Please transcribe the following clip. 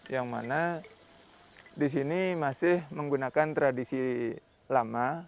yang mana di sini masih menggunakan tradisi lama